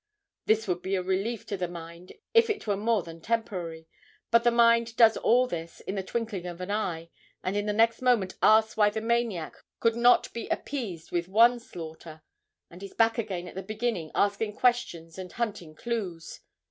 This would be a relief to the mind if it were more than temporary; but the mind does all this in the twinkling of an eye, and in the next moment asks why the maniac could not be appeased with one slaughter, and is back again at the beginning, asking questions and hunting clues.